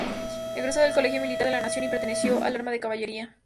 Egresó del Colegio Militar de la Nación y perteneció al arma de caballería.